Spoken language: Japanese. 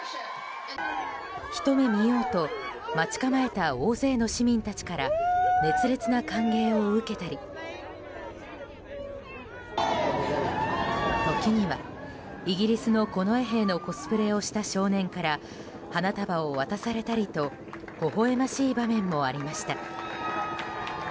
ひと目見ようと待ち構えた大勢の市民たちから熱烈な歓迎を受けて時には、イギリスの近衛兵のコスプレをした少年から花束を渡されたりとほほ笑ましい場面もありました。